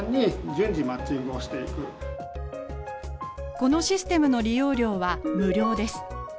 このシステムの利用料は無料です。